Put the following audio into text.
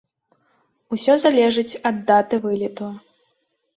Усё залежыць, ад даты вылету.